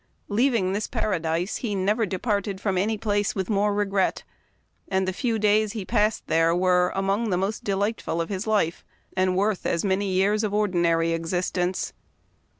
Leaving this paradise, he never departed from any place with more regret, and the few days he passed there were " among the most delightful of his life, and worth as many years of ordinary ex istenee."